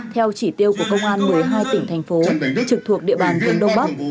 theo chỉ tiêu của công an một mươi hai tỉnh thành phố trực thuộc địa bàn phương đông bắc